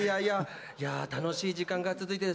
楽しい時間が続いてる。